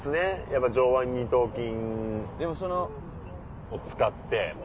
やっぱ上腕二頭筋を使って。